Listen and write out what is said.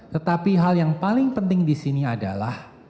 tetapi hal yang paling penting disini adalah